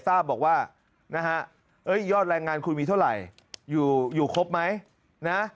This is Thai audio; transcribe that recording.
ทราบบอกว่านะฮะยอดแรงงานคุณมีเท่าไหร่อยู่ครบไหมนะ